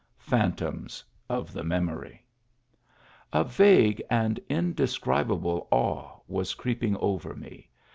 phan toms of the memory !\ A vague and indescribable awe was creeping over me.